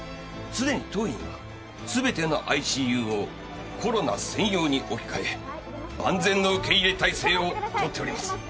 すでに当院は全てのＩＣＵをコロナ専用に置き換え万全の受け入れ態勢をとっております。